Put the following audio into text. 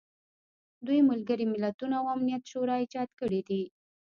دوی ملګري ملتونه او امنیت شورا ایجاد کړي دي.